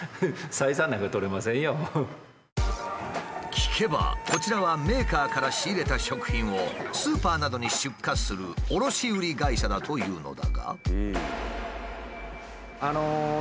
聞けばこちらはメーカーから仕入れた食品をスーパーなどに出荷する卸売会社だというのだが。